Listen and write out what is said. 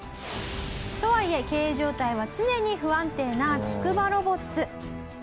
とはいえ経営状態は常に不安定なつくばロボッツ。